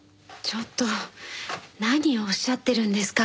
ちょっと何をおっしゃってるんですか？